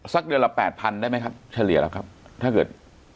สักเดือนละแปดพันได้ไหมครับเฉลี่ยแล้วครับถ้าเกิด